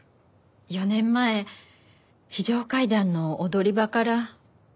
４年前非常階段の踊り場から。